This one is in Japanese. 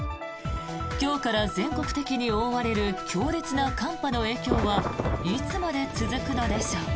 今日から全国的に覆われる強烈な寒波の影響はいつまで続くのでしょうか。